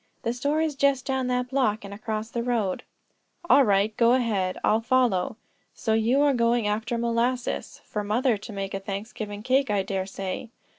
The store is just down that block, and across the road." "All right; go ahead. I'll follow. So you are going after molasses, for mother to make a Thanksgiving cake, I dare say."